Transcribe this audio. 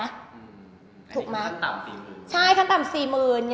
นี่คือทั้งต่ำ๔๐๐๐๐